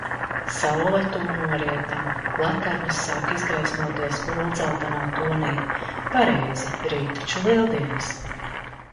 Saule tuvu norietam, laternas sāk izgaismoties oldzeltenā tonī. Pareizi, rīt taču Lieldienas.